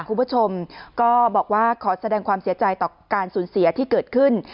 คุณผู้ชมก็บอกว่าขอแสดงความเสียใจต่อการสูญเสียที่เกิดขึ้น